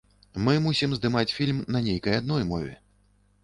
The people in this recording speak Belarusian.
Мы мусім здымаць фільм на нейкай адной мове.